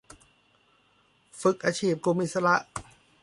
ฝึกอาชีพกลุ่มอิสระ